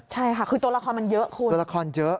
ใช่ค่ะคือตัวละครมันเยอะคุณ